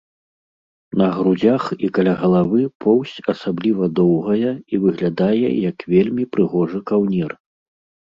На грудзях і каля галавы поўсць асабліва доўгая і выглядае як вельмі прыгожы каўнер.